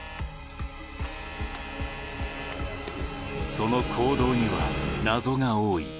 その行動には謎が多い。